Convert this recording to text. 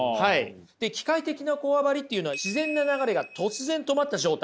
で機械的なこわばりっていうのは自然な流れが突然止まった状態。